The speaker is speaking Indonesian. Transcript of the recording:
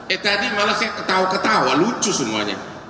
eh tadi malah saya ketawa ketawa lucu semuanya